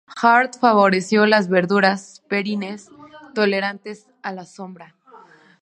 Hart favoreció las verduras perennes tolerantes a la sombra.